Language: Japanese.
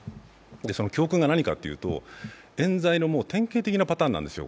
その教訓が何かっていうとえん罪の典型的なパターンなんですよ。